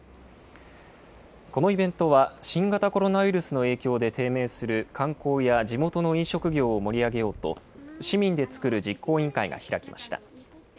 このイベントは、新型コロナウイルスの影響で低迷する観光や地元の飲食業を盛り上げようと、市民で作る実行委員会が開きました。